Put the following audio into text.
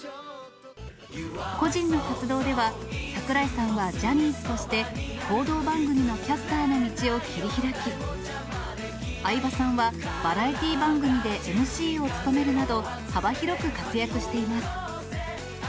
個人の活動では、櫻井さんはジャニーズとして、報道番組のキャスターの道を切り開き、相葉さんは、バラエティ番組でＭＣを務めるなど、幅広く活躍しています。